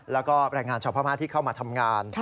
แล้วก็แรงงานชาวพม่าที่เข้ามาทำงาน